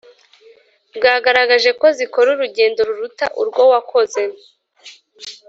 bwagaragaje ko zikora urugendo ruruta urwo wakoze